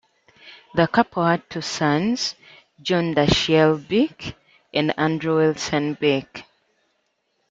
The couple had two sons, John Dashiell Bick and Andrew Wilson Bick.